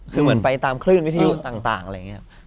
คือเหมือนไปตามคลื่นวิทยุต่างอะไรอย่างนี้